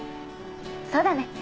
そうだね。